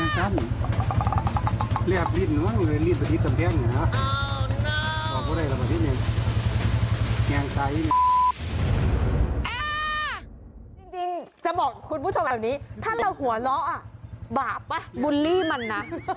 จริงจะบอกคุณผู้ชมแบบนี้ถ้าเราหัวเราะบาปป่ะบูลลี่มันนะ